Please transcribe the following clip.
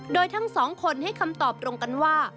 โดยทั้งสองคนให้คำตอบตรงกันว่า